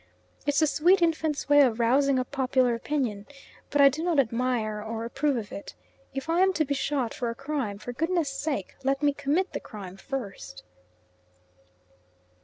It's the sweet infant's way of "rousing up popular opinion," but I do not admire or approve of it. If I am to be shot for a crime, for goodness sake let me commit the crime first.